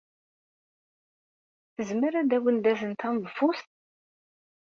Tezmer ad awen-d-tazen taneḍfust?